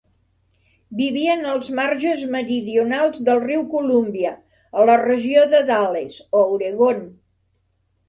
Vivien als marges meridionals del riu Columbia, a la regió de Dalles, a Oregon.